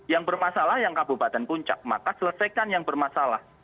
yang bermasalah yang kabupaten puncak maka selesaikan yang bermasalah